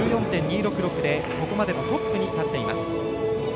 でここまでのトップに立っています。